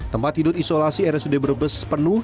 tempat tidur isolasi rsud brebes penuh